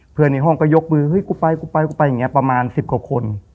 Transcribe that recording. ในห้องก็ยกมือเฮ้ยกูไปกูไปกูไปอย่างนี้ประมาณ๑๐กว่าคน